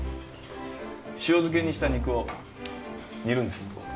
塩漬けにした肉を煮るんです